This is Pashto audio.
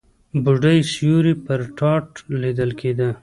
بوډۍ سيوری پر تاټ ليدل کېده.